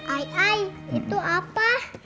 ai ai itu apa